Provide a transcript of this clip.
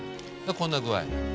こんな具合。